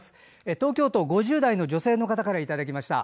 東京都５０代の女性の方からいただきました。